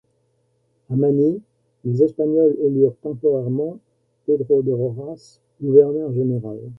À Manille, les Espagnols élurent temporairement Pedro de Rojas gouverneur général.